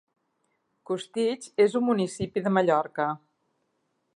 Costitx és un municipi de Mallorca.